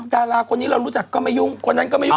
ดาราคนนี้เรารู้จักก็ไม่ยุ่งคนนั้นก็ไม่ยุ่ง